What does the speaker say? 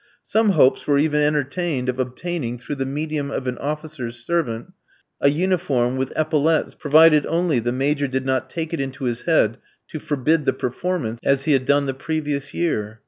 Some hopes were even entertained of obtaining, through the medium of an officer's servant, a uniform with epaulettes, provided only the Major did not take it into his head to forbid the performance, as he had done the previous year.